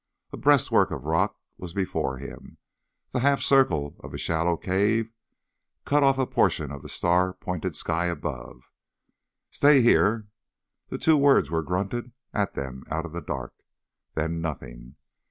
A breastwork of rock was before him; the half circle of a shallow cave cut off a portion of the star pointed sky above. "Stay—here." The two words were grunted at them out of the dark. Then nothing